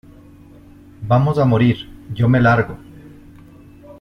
Vamos a morir. Yo me largo .